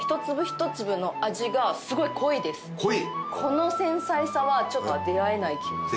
この繊細さはちょっと出会えない気がする。